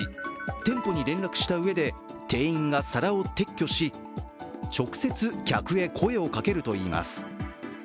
店舗に連絡したうえで店員が皿を撤去し直接、客へ声をかけるといいます。